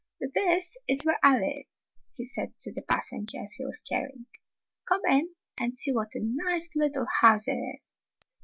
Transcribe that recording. "This is where I live," he said to the pas sengers he was carrying. "Come in and see what a nice little house it is."